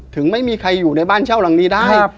ไม่มีใครอยู่ในบ้านเช่าหลังนี้ได้